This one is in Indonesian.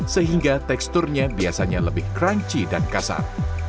sehingga teksturnya biasanya lebih crunchy dan kasar